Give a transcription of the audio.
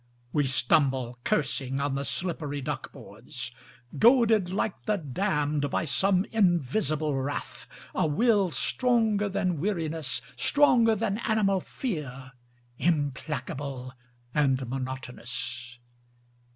We stumble, cursing, on the slippery duck boards. Goaded like the damned by some invisible wrath, A will stronger than weariness, stronger than animal fear, Implacable and monotonous.